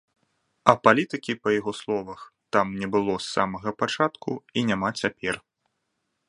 А палітыкі, па яго словах там не было з самага пачатку і няма цяпер.